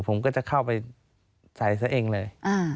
ผมก็จะเข้าไปใส่ซะเองเลย